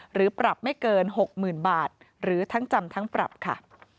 หรือปรับไม่เกิน๖๐๐๐๐บาทหรือทั้งจำทั้งปรับค่ะ